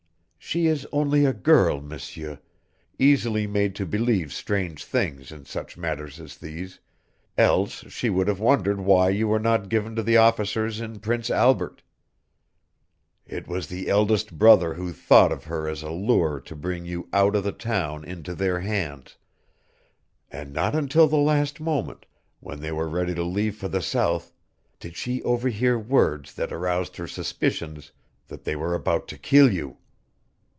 She is only a girl, M'seur, easily made to believe strange things in such matters as these, else she would have wondered why you were not given to the officers in Prince Albert. It was the eldest brother who thought of her as a lure to bring you out of the town into their hands, and not until the last moment, when they were ready to leave for the South, did she overhear words that aroused her suspicions that they were about to kill you.